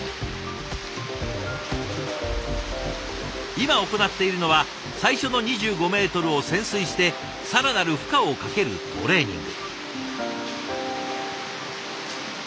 今行っているのは最初の２５メートルを潜水して更なる負荷をかけるトレーニング。